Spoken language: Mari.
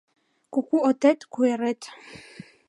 Куку отет — куэрет.